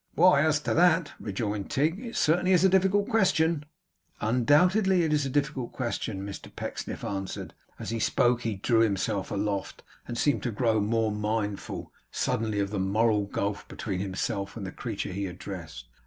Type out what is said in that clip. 'Why, as to that,' rejoined Tigg, 'it certainly is a difficult question.' 'Undoubtedly it is a difficult question,' Mr Pecksniff answered. As he spoke he drew himself aloft, and seemed to grow more mindful, suddenly, of the moral gulf between himself and the creature he addressed.